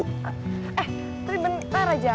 eh tapi bentar aja